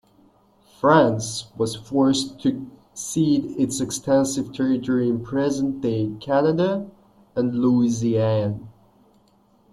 France was forced to cede its extensive territory in present-day Canada and "Louisiane".